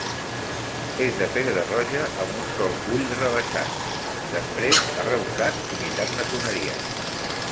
És de pedra roja amb un sol ull rebaixat després arrebossat imitant maçoneria.